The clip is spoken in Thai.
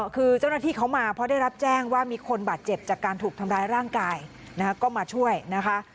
คือเจ้าหน้าที่เขามาเพราะได้รับแจ้งว่ามีคนบาดเจ็บจากการถูกทำร้ายร่างกายนะคะก็มาช่วยนะคะ